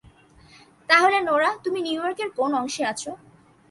তাহলে নোরা, তুমি নিউইয়র্কের কোন অংশে আছো?